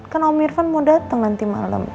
kan om irfan mau datang nanti malam